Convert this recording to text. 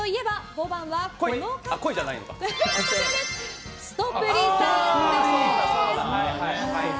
５番は、すとぷりさんです。